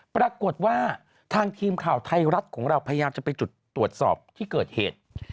ปรากฏว่าทางทีมข่าวไทยรัฐของเราพยายามจะไปจุดตรวจสอบที่เกิดเหตุ